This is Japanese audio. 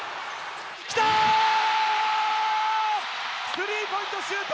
スリーポイントシュート。